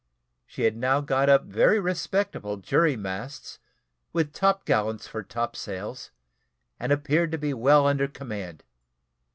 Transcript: She had now got up very respectable jury masts, with topgallants for topsails, and appeared to be well under command.